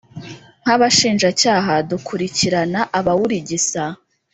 nk’abashinjacyaha dukurikirana abawurigisa